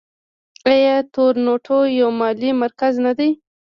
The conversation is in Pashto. آیا تورنټو یو مالي مرکز نه دی؟